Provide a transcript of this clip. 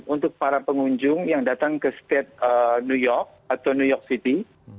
untuk para pengunjung yang datang ke state new york atau new york city